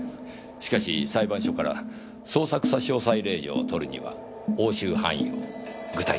しかし裁判所から捜索差押令状を取るには押収範囲を具体的に示さなければなりません。